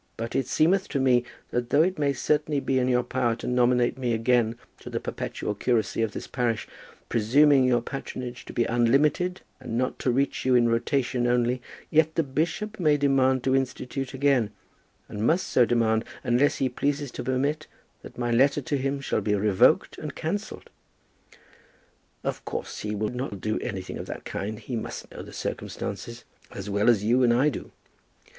But it seemeth to me that though it may certainly be in your power to nominate me again to the perpetual curacy of this parish, presuming your patronage to be unlimited and not to reach you in rotation only, yet the bishop may demand to institute again, and must so demand, unless he pleases to permit that my letter to him shall be revoked and cancelled." "Of course he will do anything of that kind. He must know the circumstances as well as you and I do."